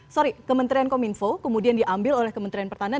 sorry kementerian kominfo kemudian diambil oleh kementerian pertahanan